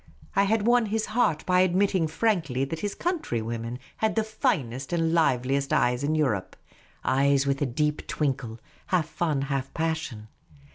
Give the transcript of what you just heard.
I had won his heart by admitting frankly that his countrywomen had the finest and liveliest eyes in Europe — eyes with a deep twinkle, half fun, half passion.